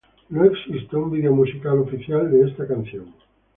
No existe un video musical oficial de esta canción.